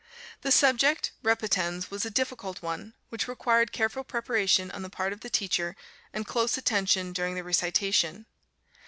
The subject, Repetends, was a difficult one, which required careful preparation on the part of the teacher and close attention during the recitation.